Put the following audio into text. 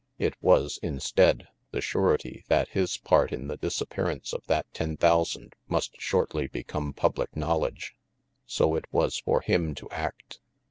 It was, instead, the 270 RANGY PETE + ko* surety that his part in the disappearance of that ten thousand must shortly become public knowl edge. So it was for him to act.